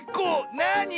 なに。